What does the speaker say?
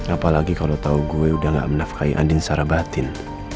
apalagi kalau tahu gue udah gak menafkai andin secara batin